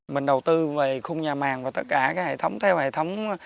mình đầu tư về khung nhà màng và tất cả cái hệ thống theo hệ thống